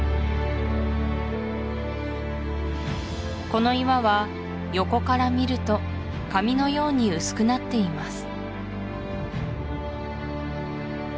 この岩は横から見ると紙のように薄くなっています